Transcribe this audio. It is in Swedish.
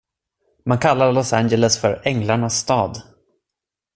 Man kallar Los Angeles för "Änglarnas Stad".